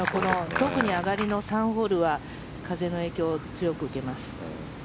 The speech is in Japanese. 特に上がりの３ホールは風の影響を強く受けます。